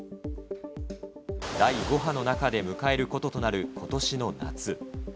第５波の中で迎えることとなることしの夏。